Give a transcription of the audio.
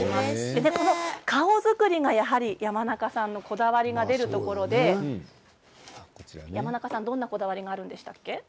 顔作りがやはり山中さんのこだわりが出るところでどんなこだわりがあるんですっけ？